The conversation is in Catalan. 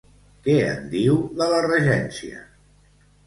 Què en diu de la regència?